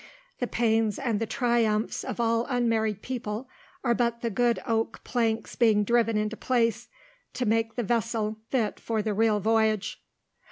The pains and the triumphs of all unmarried people are but the good oak planks being driven into place to make the vessel fit for the real voyage."